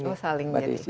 oh saling jadi